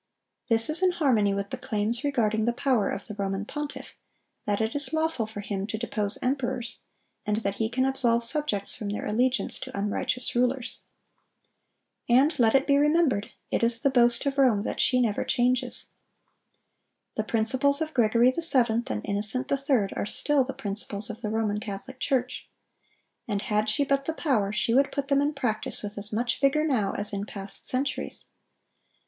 (1021) This is in harmony with the claims regarding the power of the Roman pontiff, that "it is lawful for him to depose emperors," and that "he can absolve subjects from their allegiance to unrighteous rulers."(1022) And let it be remembered, it is the boast of Rome that she never changes. The principles of Gregory VII. and Innocent III. are still the principles of the Roman Catholic Church. And had she but the power, she would put them in practice with as much vigor now as in past centuries.